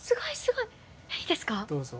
どうぞ。